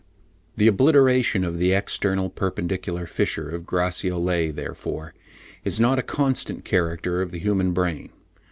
p. 12). The obliteration of the external perpendicular fissure of Gratiolet, therefore, is not a constant character of the human brain.